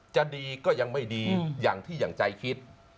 จะดีก็ยังไม่ดีอย่างที่อย่างใจคิด